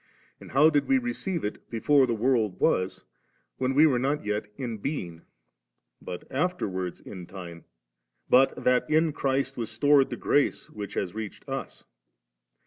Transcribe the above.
and how did we receive it 'before the world was,' when we were not yet in being, but afterwards in time, but that in Christ was stored the grace which has reached us